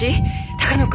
鷹野君。